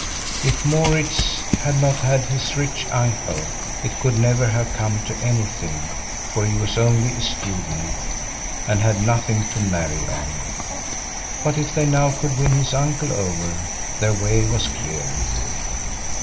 If Maurits had not had his rich uncle, it could never have come to anything; for he was only a student, and had nothing to marry on. But if they now could win his uncle over their way was clear.